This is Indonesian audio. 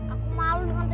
aku malu dengan kamu